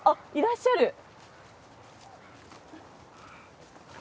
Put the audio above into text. いらっしゃる。